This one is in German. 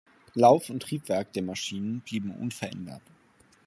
Lauf- und Triebwerk der Maschinen blieben unverändert.